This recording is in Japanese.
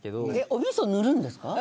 おみそ塗るんですか。